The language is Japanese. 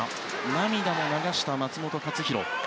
涙も流した松元克央。